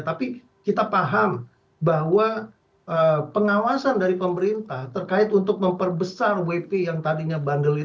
tapi kita paham bahwa pengawasan dari pemerintah terkait untuk memperbesar wp yang tadinya bandel itu